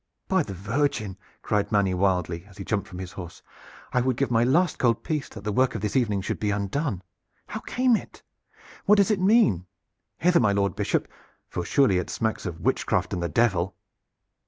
"By the Virgin!" cried Manny wildly, as he jumped from his horse, "I would give my last gold piece that the work of this evening should be undone! How came it? What does it mean? Hither, my Lord Bishop, for surely it smacks of witchcraft and the Devil."